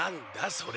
それ。